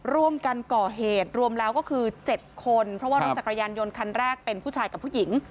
ร่วมกันก่อเหตุรวมแล้วก็คือ๗คนเพราะว่ารถจักรยานยนต์คันแรกเป็นผู้ชายกับผู้หญิง